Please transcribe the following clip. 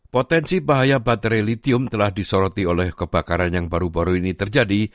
potensi bahaya baterai litium telah disoroti oleh kebakaran yang baru baru ini terjadi